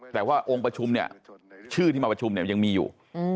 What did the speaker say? แต่ว่าชื่อที่มาประชุมยังมีอยู่